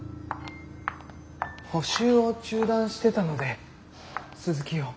補習を中断してたので続きを。